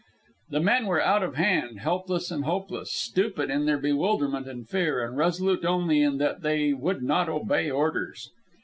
The men were out of hand, helpless and hopeless, stupid in their bewilderment and fear, and resolute only in that they would not obey orders.